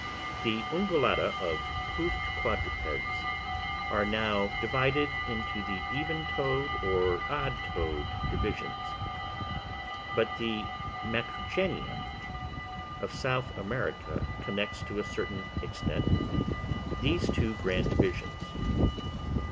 The Ungulata or hoofed quadrupeds are now divided into the even toed or odd toed divisions; but the Macrauchenia of South America connects to a certain extent these two grand divisions.